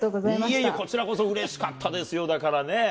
いえいえ、こちらこそうれしかったですよ、だからね。